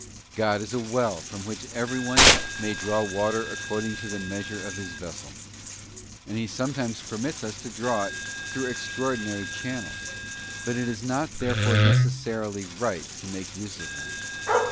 God is a well from which everyone may draw water accord ing to the measure of his vessel, and He sometimes permits us to draw it through extraordinary channels, but it is not therefore necessarily right to make use of them.